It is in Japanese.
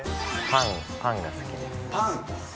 パンが好きです。